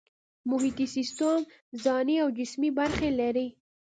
محیطي سیستم ځانی او جسمي برخې لري